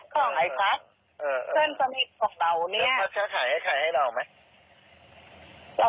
ของไอ้พัสเออเออของเราเนี้ยขายให้ขายให้เราไหมหรอ